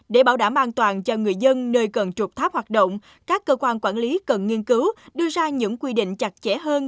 để bảo đảm an toàn cho người dân nơi cân trục tháp hoạt động các cơ quan quản lý cần nghiên cứu đưa ra những quy định chặt chẽ hơn